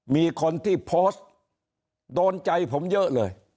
มีคนที่โพสต์โดนใจผมเยอะเลย